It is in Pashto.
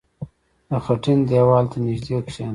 • د خټین دیوال ته نژدې کښېنه.